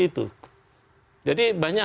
itu jadi banyak